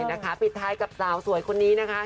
นะคะปิดท้ายกับสาวสวยคนนี้นะคะ